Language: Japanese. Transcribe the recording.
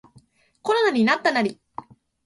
コロナになったナリ